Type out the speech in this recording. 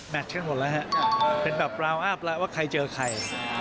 ขึ้นหมดแล้วฮะเป็นแบบราวอัพแล้วว่าใครเจอใคร